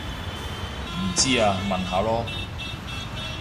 唔知啊問下囉